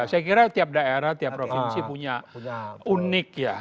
saya kira tiap daerah tiap provinsi punya unik ya